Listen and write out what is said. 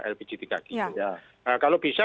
lpg tiga kg kalau bisa